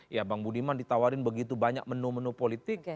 ya bang budiman ditawarin begitu banyak menu menu politik